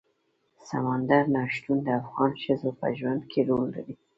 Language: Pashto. سمندر نه شتون د افغان ښځو په ژوند کې رول لري.